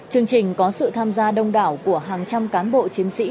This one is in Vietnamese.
chương trình có sự tham gia đông đảo của hàng trăm cán bộ chiến sĩ